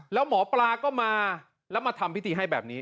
แล้วหมอปลาก็มาแล้วมาทำพิธีให้แบบนี้